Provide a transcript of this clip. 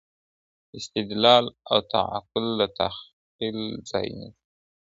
استدلال او تعقل د تخیل ځای نیسي.